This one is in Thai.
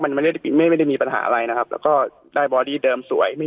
มันไม่ได้ไม่ได้มีปัญหาอะไรนะครับแล้วก็ได้บอดี้เดิมสวย